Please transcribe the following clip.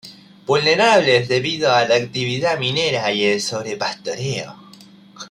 Vulnerables debido a la actividad minera y el sobrepastoreo.